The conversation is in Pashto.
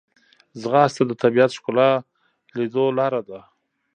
ځغاسته د طبیعت ښکلا لیدو لاره ده